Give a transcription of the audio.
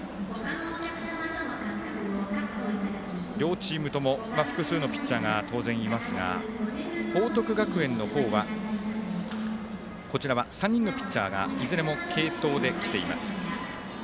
両チームとも複数のピッチャーが当然いますが報徳学園の方は３人のピッチャーがいずれも継投できています。